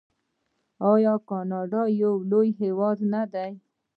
آیا کاناډا یو لوی هیواد نه دی؟